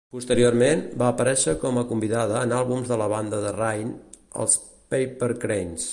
Posteriorment, va aparèixer com a convidada en àlbums de la banda de Rain, els Papercranes.